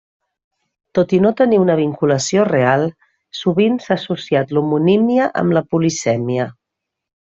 Tot i no tenir una vinculació real, sovint s'ha associat l'homonímia amb la polisèmia.